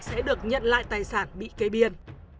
sẽ được nhận lại tài sản bị kê biên